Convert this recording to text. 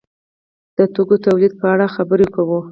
د توکو تولید په اړه خبرې کوو.